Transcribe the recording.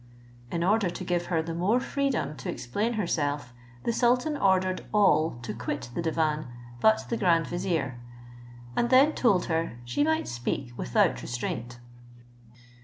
In order to give her the more freedom to explain herself, the sultan ordered all to quit the divan but the grand vizier, and then told her she might speak without restraint.